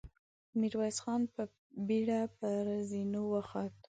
ميرويس خان په بېړه پر زينو وخوت.